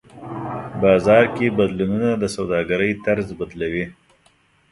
بازار کې بدلونونه د سوداګرۍ طرز بدلوي.